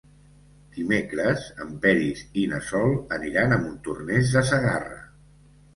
Dimecres en Peris i na Sol aniran a Montornès de Segarra.